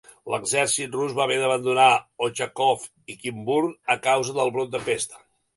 L'exèrcit rus va haver d'abandonar Ochakov i Kinburn a causa del brot de pesta.